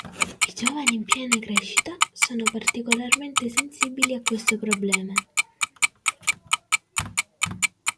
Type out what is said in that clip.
I giovani in piena crescita sono particolarmente sensibili a questo problema.